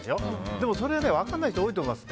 でも、分からない人多いと思います。